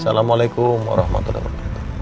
assalamualaikum warahmatullahi wabarakatuh